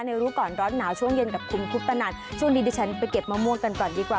รู้ก่อนร้อนหนาวช่วงเย็นกับคุณคุปตนันช่วงนี้ดิฉันไปเก็บมะม่วงกันก่อนดีกว่า